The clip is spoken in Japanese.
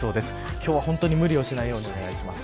今日は本当に無理をしないようにお願いします。